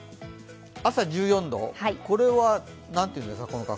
朝１４度、この格好は何て言うんですか？